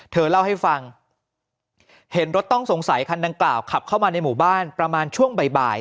เธอเล่าให้ฟังเห็นรถต้องสงสัยคันดังกล่าวขับเข้ามาในหมู่บ้านประมาณช่วงบ่าย